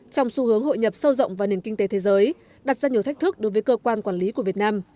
trong xu hướng hội nhập sâu rộng vào nền kinh tế thế giới đặt ra nhiều thách thức đối với cơ quan quản lý của việt nam